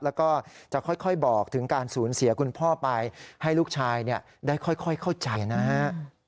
แล้วก็จะค่อยบอกถึงการสูญเสียคุณพ่อไปให้ลูกชายได้ค่อยเข้าใจนะฮะ